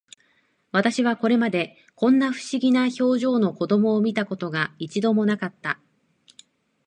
私はこれまで、こんな不思議な表情の子供を見た事が、一度も無かった